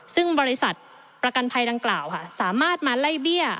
ซึ่งบริษัทประกันภัยดังกล่าวค่ะสามารถมาไล่เบี้ย